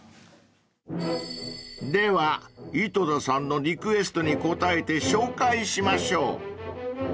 ［では井戸田さんのリクエストに応えて紹介しましょう！］